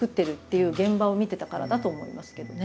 いう現場を見てたからだと思いますけどね。